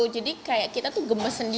jadi kayak kita tuh gemes sendiri